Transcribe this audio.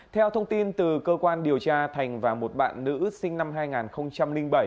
theo thông tin từ cơ quan điều tra thành và một bạn nữ sinh năm hai nghìn bảy